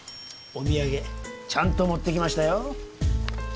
お土産ちゃんと持ってきましたよ。